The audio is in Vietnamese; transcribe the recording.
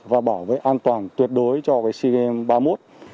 và bảo vệ an toàn tuyệt đối cho cgm ba mươi một